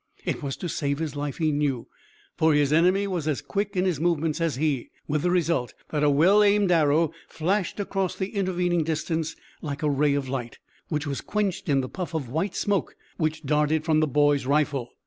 It was to save his life, he knew, for his enemy was as quick in his movements as he, with the result that a well aimed arrow flashed across the intervening distance like a ray of light, which was quenched in the puff of white smoke which darted from the boy's rifle.